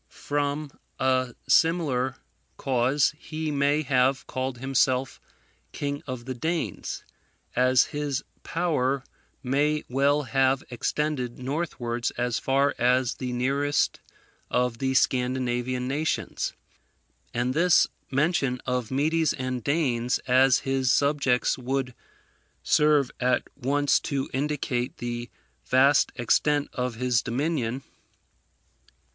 From a similar cause he may have called himself King of the Danes, as his power may well have extended northwards as far as the nearest of the Scandinavian nations; and this mention of Medes and Danes as his subjects would serve at once to indicate the vast extent of his dominion.